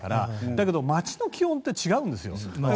だけど街の気温って違うんです。